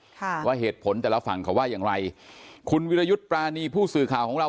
ว่าเหตุผลแต่ละฝั่งเขาว่าอย่างไรคุณวิรยุทธ์ปรานีผู้สื่อข่าวของเรา